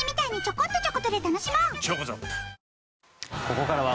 ここからは